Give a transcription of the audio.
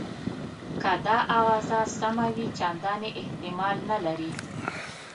که دا آوازه سمه وي چنداني احتمال نه لري.